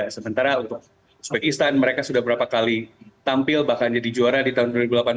sementara untuk uzbekistan mereka sudah berapa kali tampil bahkan jadi juara di tahun dua ribu delapan belas